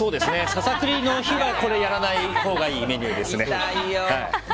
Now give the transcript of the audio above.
ささくれの日はこれやらないほうがいいメニューですね。